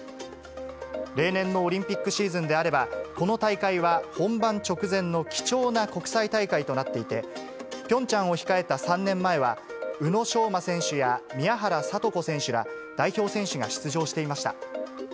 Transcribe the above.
例年のオリンピックシーズンであれば、この大会は本番直前の貴重な国際大会となっていて、ピョンチャンを控えた３年前は、宇野昌磨選手や宮原知子選手ら代表選手が出場していました。